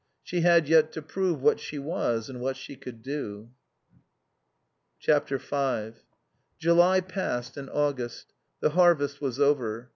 She had yet to prove what she was and what she could do. v July passed and August; the harvest was over.